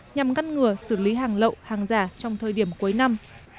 nhằm ngăn ngừa xử lý hàng lậu hàng giả trong thời điểm cuối năm